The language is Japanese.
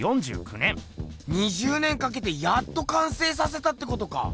２０年かけてやっと完成させたってことか。